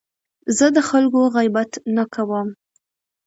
زه د خلکو غیبت نه کوم.